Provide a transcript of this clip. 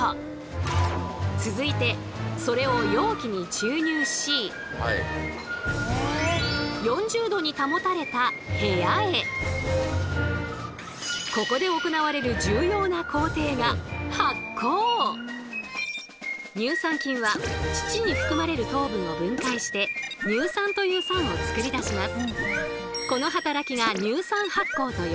ちなみにこれを続いてここで行われる重要な工程が乳酸菌は乳に含まれる糖分を分解して乳酸という酸を作り出します。